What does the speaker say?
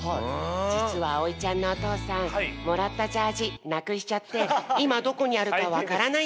じつはあおいちゃんのおとうさんもらったジャージなくしちゃっていまどこにあるかわからないんだって。